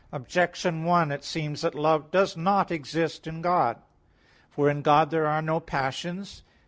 Objection 1: It seems that love does not exist in God. For in God there are no passions.